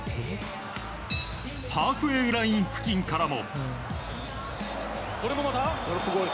ハーフウェーライン付近からも。